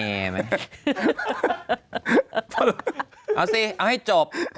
เอาสิเอาให้จบ